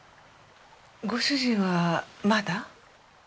ご主人はまだ？